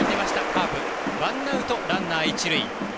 カープワンアウト、ランナー、一塁。